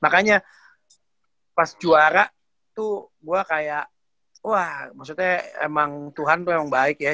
makanya pas juara tuh gue kayak wah maksudnya emang tuhan tuh emang baik ya